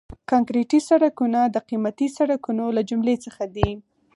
کانکریټي سړکونه د قیمتي سړکونو له جملې څخه دي